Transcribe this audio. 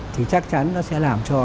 thì chắc chắn nó sẽ làm cho